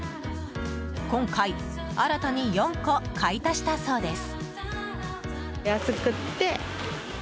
今回、新たに４個買い足したそうです。